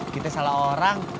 kita salah orang